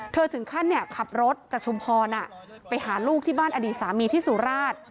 ถึงขั้นขับรถจากชุมพรไปหาลูกที่บ้านอดีตสามีที่สุราช